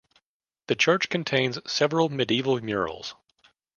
The church contains several medieval murals.